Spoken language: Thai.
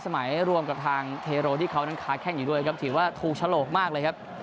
สมัยรวมกับทางเทโรที่เขานั้นค้าแข้งอยู่ด้วยครับถือว่าถูกฉลกมากเลยครับ